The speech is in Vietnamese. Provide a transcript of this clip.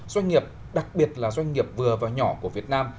doanh nghiệp đặc biệt là doanh nghiệp vừa và nhỏ của việt nam